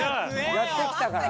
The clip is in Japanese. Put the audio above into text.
やってきたから。